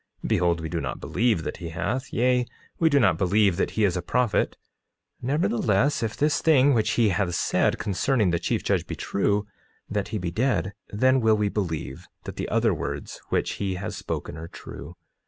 Behold, we do not believe that he hath; yea, we do not believe that he is a prophet; nevertheless, if this thing which he has said concerning the chief judge be true, that he be dead, then will we believe that the other words which he has spoken are true.